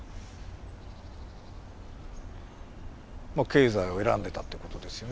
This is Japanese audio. まあ経済を選んでたってことですよね。